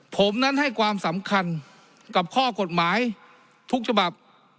ผมนั้นให้ความสำคัญกับข้อกฎหมายทุกฉบับ